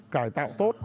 rồi tạo tốt